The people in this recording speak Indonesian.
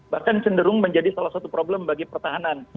bahkan cenderung menjadi salah satu problem bagi pertahanan